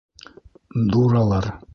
Дуралар!